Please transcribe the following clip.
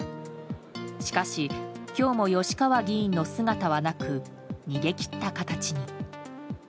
しかし今日も吉川議員の姿はなく逃げ切った形に。